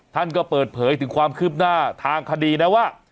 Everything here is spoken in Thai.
ท่านก็เปิดเผยถึงความคืบหน้าทางคดีนะว่า